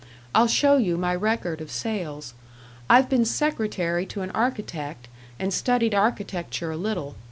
I'll show you my record of sales. I've been secretary to an architect, and studied architecture a little.